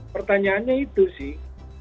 pertanyaannya itu sih